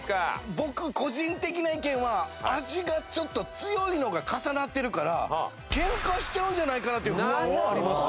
僕個人的な意見は味がちょっと強いのが重なってるからケンカしちゃうんじゃないかなっていう不安はあります。